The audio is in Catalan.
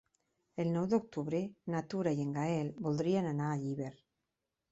El nou d'octubre na Tura i en Gaël voldrien anar a Llíber.